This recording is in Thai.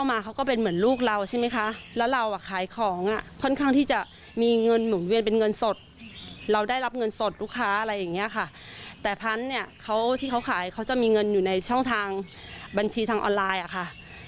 แต่พันที่เขาขายเขาจะมีเงินอยู่ในช่องทางบัญชีทางออนไลน์ค่ะ